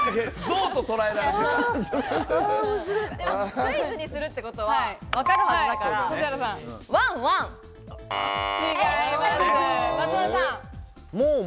クイズにするってことはわかるはずだから、わんわん！